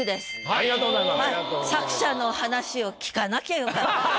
ありがとうございます。